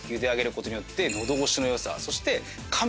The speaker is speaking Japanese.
そして。